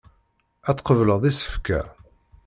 Ad tqebleḍ isefka.